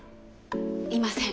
いません。